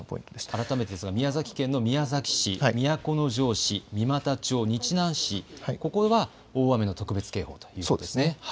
改めて宮崎県の宮崎市、都城市三股町、日南市、ここが大雨の特別警報ということですね。